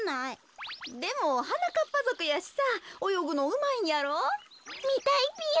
でもはなかっぱぞくやしさおよぐのうまいんやろ？みたいぴよ！